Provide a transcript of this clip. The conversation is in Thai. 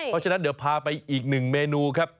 เพราะฉะนั้นเดี๋ยวพาไปอีกหนึ่งเมนูครับ